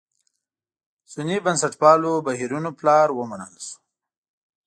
سني بنسټپالو بهیرونو پلار ومنل شو.